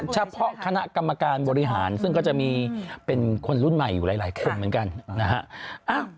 เฉพาะคณะกรรมการบริหารซึ่งก็จะมีเป็นคนรุ่นใหม่อยู่หลายคนเหมือนกันนะฮะ